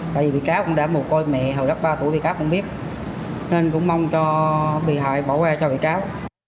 tại vì bị cáo cũng đã mù côi mẹ hầu đắp ba tuổi bị cáo không biết nên cũng mong cho bị hại bỏ qua cho bị cáo